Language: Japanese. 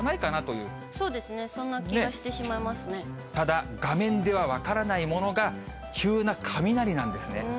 そうですね、そんな気がしてただ、画面では分からないものが、急な雷なんですね。